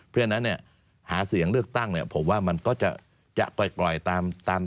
เพราะฉะนั้นหาเสียงเลือกตั้งผมว่ามันก็จะไปกลอยตาม